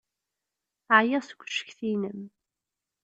Ɛyiɣ seg ucetki-inem.